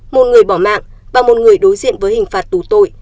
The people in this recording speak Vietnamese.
một người bỏ mạng và một người đối diện với hình phạt tù tội